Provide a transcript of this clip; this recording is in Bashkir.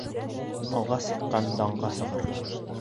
Алға сыҡҡан данға сығыр.